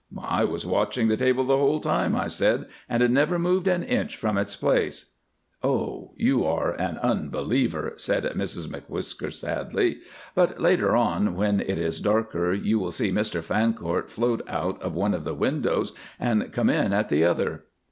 "I was watching the table the whole time," I said, "and it never moved an inch from its place." "Oh! you are an unbeliever," said Mrs M'Whisker sadly, "but later on when it is darker you will see Mr Fancourt float out of one of the windows and come in at the other."